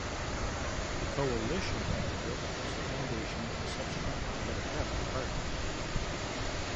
The coalition that he built was the foundation of the subsequent Democratic Party.